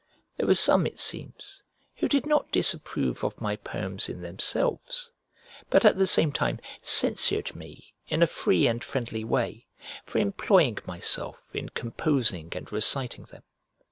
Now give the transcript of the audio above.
There were some, it seems, who did not disapprove of my poems in themselves, but at the same time censured me in a free and friendly way, for employing myself in composing and reciting them.